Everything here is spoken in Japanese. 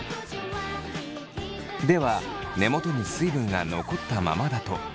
では根元に水分が残ったままだとどうなるのか？